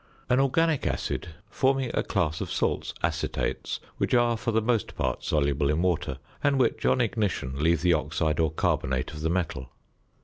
An organic acid, forming a class of salts, acetates, which are for the most part soluble in water, and which, on ignition, leave the oxide or carbonate of the metal.